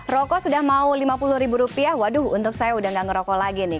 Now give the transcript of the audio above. rokok sudah mau lima puluh ribu rupiah waduh untuk saya udah gak ngerokok lagi nih